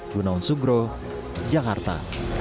gunung sugro jakarta